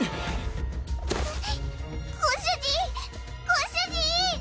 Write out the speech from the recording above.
ご主人ご主人！